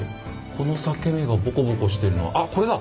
この裂け目がぼこぼこしてるのはあっこれだ！